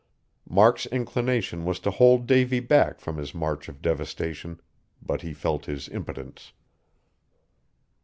Mark's inclination was to hold Davy back from his march of devastation, but he felt his impotence.